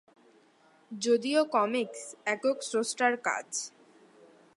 যদিও কমিকস একক স্রষ্টার কাজ।